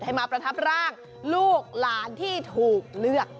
มาประทับร่างลูกหลานที่ถูกเลือก